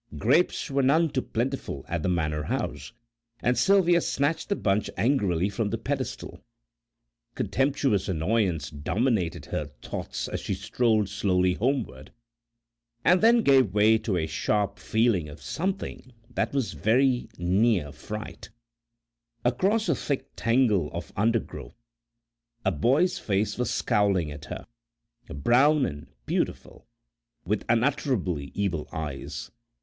Grapes were none too plentiful at the manor house, and Sylvia snatched the bunch angrily from the pedestal. Contemptuous annoyance dominated her thoughts as she strolled slowly homeward, and then gave way to a sharp feeling of something that was very near fright; across a thick tangle of undergrowth a boy's face was scowling at her, brown and beautiful, with unutterably evil eyes.